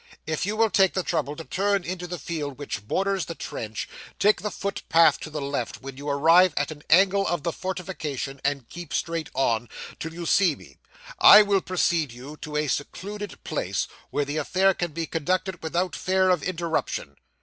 'If you will take the trouble to turn into the field which borders the trench, take the foot path to the left when you arrive at an angle of the fortification, and keep straight on, till you see me, I will precede you to a secluded place, where the affair can be conducted without fear of interruption.